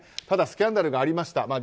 ただ、スキャンダルがありました。